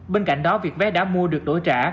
bên cạnh đó việc vé đã mua được đổi trả